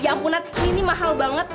ya ampun nat ini mahal banget